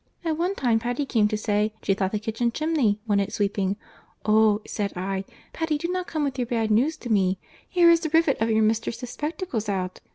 At one time Patty came to say she thought the kitchen chimney wanted sweeping. Oh, said I, Patty do not come with your bad news to me. Here is the rivet of your mistress's spectacles out.